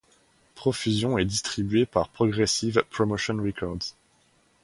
Profusion est distribué par Progressive Promotion Records.